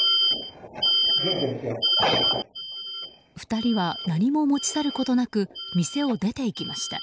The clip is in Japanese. ２人は何も持ち去ることなく店を出て行きました。